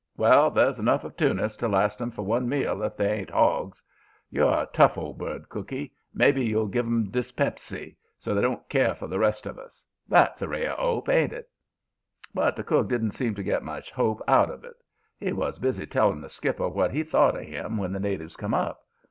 'Well, there's enough of Teunis to last 'em for one meal, if they ain't 'ogs. You're a tough old bird, cooky; maybe you'll give 'em dyspepsy, so they won't care for the rest of us. That's a ray of 'ope, ain't it?' "But the cook didn't seem to get much hope out of it. He was busy telling the skipper what he thought of him when the natives come up.